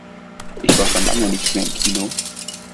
Ich war schon lange nicht mehr im Kino.